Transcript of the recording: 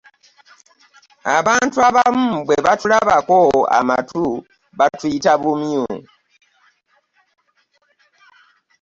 Abantu abamu bwe batulabako amatu batuyita bumyu?